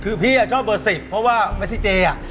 คือพี่ชอบเบอร์๑๐เพราะว่าเมซิเจอะ